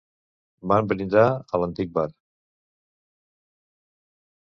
Van brindar a l'antic bar.